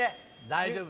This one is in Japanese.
大丈夫。